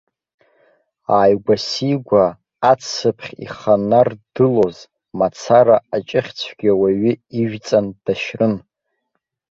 Ааигәа-сигәа ацыԥхь иханарддылоз мацара аҷыхь цәгьа уаҩы ижәҵан дашьрын.